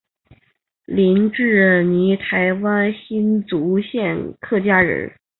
林志儒台湾新竹县客家人。